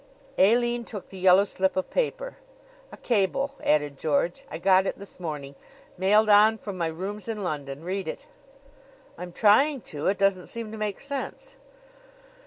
Aline took the yellow slip of paper. "A cable," added George. "I got it this morning mailed on from my rooms in London. Read it." "I'm trying to. It doesn't seem to make sense."